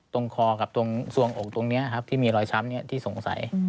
ตรงคอกับตรงส่วงอกตรงนี้ครับที่มีรอยช้ำที่สงสัย